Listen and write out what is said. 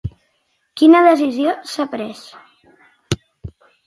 Quina decisió s'ha pres?